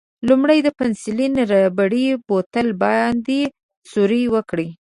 لومړی د پنسیلین ربړي بوتل باندې سوری وکړئ.